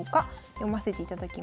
読ませていただきます。